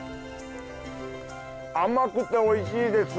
甘くておいしいです。